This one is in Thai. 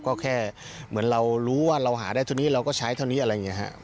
ก็แค่เหมือนเรารู้ว่าเราหาได้เท่านี้เราก็ใช้เท่านี้อะไรอย่างนี้ครับ